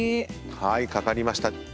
はい掛かりました。